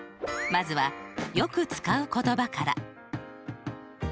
まずはよく使う言葉から。